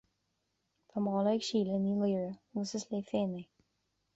Tá mála ag Síle Ní Laoire, agus is léi féin é